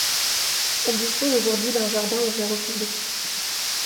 Elle dispose aujourd'hui d'un jardin ouvert au public.